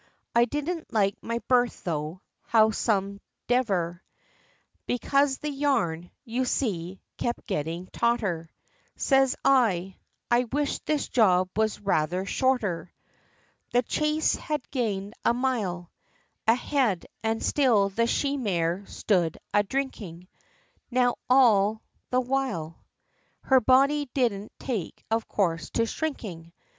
I didn't like my berth tho', howsomdever, Because the yarn, you see, kept getting tauter, Says I I wish this job was rayther shorter! The chase had gain'd a mile A head, and still the she mare stood a drinking; Now, all the while Her body didn't take of course to shrinking.